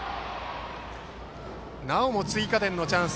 なおも追加点のチャンス